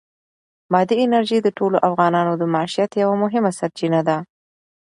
بادي انرژي د ټولو افغانانو د معیشت یوه مهمه سرچینه ده.